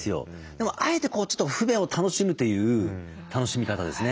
でもあえて不便を楽しむという楽しみ方ですね。